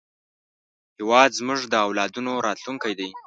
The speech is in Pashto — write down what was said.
هېواد زموږ د اولادونو راتلونکی دی